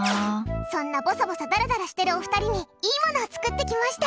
そんなぼさぼさだらだらしているお二人にいいものを作ってきました。